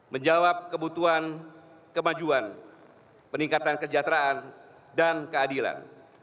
menjawab kebutuhan kemajuan peningkatan kesejahteraan dan keadilan